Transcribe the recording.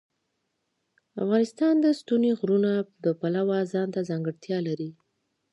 افغانستان د ستوني غرونه د پلوه ځانته ځانګړتیا لري.